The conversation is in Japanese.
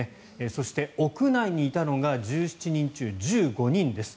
そして屋内にいたのが１７人中１５人です。